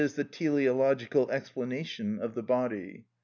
_, the teleological explanation of the body.